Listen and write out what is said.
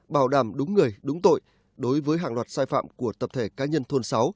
bảo đảm đúng người đúng tội đối với hàng loạt sai phạm của tập thể cá nhân thôn sáu